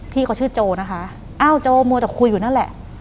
พี่เขาชื่อโจนะคะอ้าวโจมัวแต่คุยอยู่นั่นแหละ